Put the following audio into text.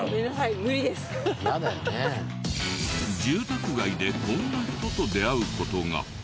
住宅街でこんな人と出会う事が。